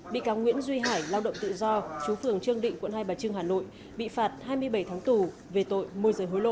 bị cáo nguyễn duy hải lao động tự do chú phường trương định quận hai bà trưng hà nội bị phạt hai mươi bảy tháng tù về tội môi rời hối lộ